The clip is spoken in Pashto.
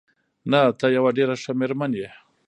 نه، ته یوه ډېره ښه مېرمن یې.